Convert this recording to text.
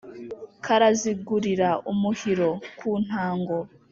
Karazigurira-Umuhiro ku ntango.